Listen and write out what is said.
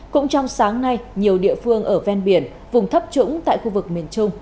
cũng trong sáng nay nhiều địa phương ở ven biển vùng thấp trũng tại khu vực miền trung